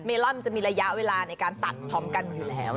ลอนมันจะมีระยะเวลาในการตัดพร้อมกันอยู่แล้ว